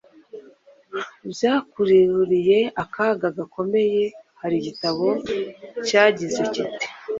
byabakururiye akaga gakomeye Hari igitabo cyagize kiti “